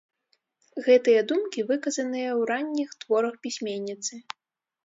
Гэтыя думкі выказаныя ў ранніх творах пісьменніцы.